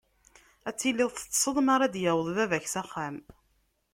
Ad tiliḍ teṭṭseḍ mara d-yaweḍ baba-k s axxam.